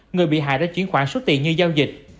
người bị hại đã chuyển khoản số tiền như giao dịch